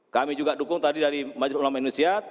kami juga dukung tadi dari majelis ulama indonesia